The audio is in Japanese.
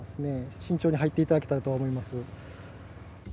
慎重に入っていただけたらと思います。